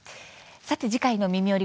次回の「みみより！